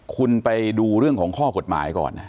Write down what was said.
คุณไปดูเรื่องของข้อกฎหมายก่อนนะ